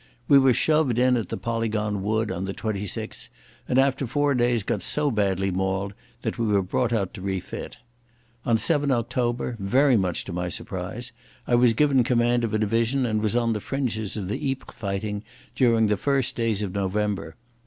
We were shoved in at the Polygon Wood on the 26th, and after four days got so badly mauled that we were brought out to refit. On 7 October, very much to my surprise, I was given command of a division and was on the fringes of the Ypres fighting during the first days of November.